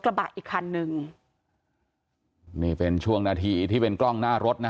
กระบะอีกคันหนึ่งนี่เป็นช่วงนาทีที่เป็นกล้องหน้ารถนะ